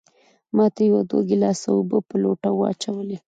ما ترې يو دوه ګلاسه اوبۀ پۀ لوټه واچولې